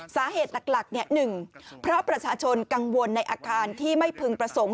สาเหตุหลักหนึ่งเพราะประชาชนกังวลในอาคารที่ไม่พึงประสงค์